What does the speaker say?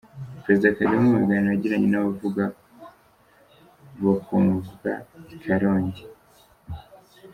Perezida Kagame mu biganiro yagiranye n’abavuga bakumvwa i Karongi.